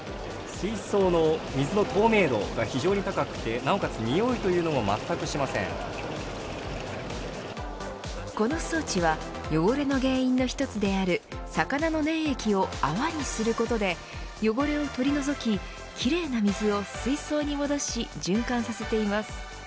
水槽の水の透明度が非常に高くてなおかつ、においもこの装置は汚れの原因の一つである魚の粘液を泡にすることで汚れを取り除き奇麗な水を水槽に戻し循環させています。